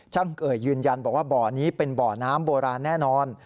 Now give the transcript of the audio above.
เกยยืนยันบอกว่าบ่อนี้เป็นบ่อน้ำโบราณแน่นอน